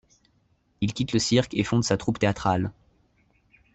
Il quitte le cirque et fonde sa troupe théâtrale.